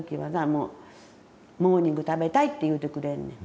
もう「モーニング食べたい」って言うてくれんねん。